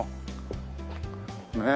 ねえ。